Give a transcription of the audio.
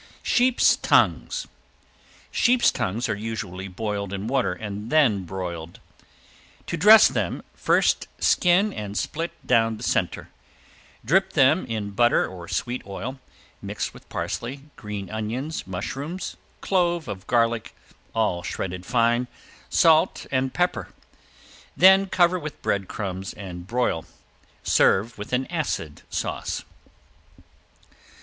~SHEEP'S TONGUES~ Sheep's tongues are usually boiled in water and then broiled. To dress them, first skin and split down the center. Dip them in butter or sweet oil, mixed with parsley, green onions, mushrooms, clove of garlic, all shredded fine, salt and pepper. Then cover with bread crumbs and broil. Serve with an acid sauce.